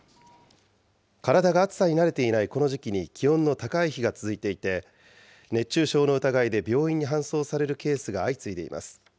体が暑さに慣れていないこの時期に気温の高い日が続いていて、熱中症の疑いで病院に搬送されるケースが相次いでいます。